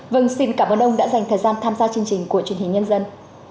vâng xin cảm ơn ông đã dành thời gian tham gia chương trình của truyền hình nhân dân